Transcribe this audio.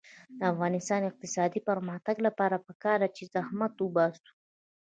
د افغانستان د اقتصادي پرمختګ لپاره پکار ده چې زحمت وباسو.